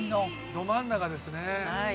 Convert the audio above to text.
ど真ん中ですね。